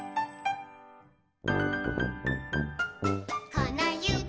「このゆび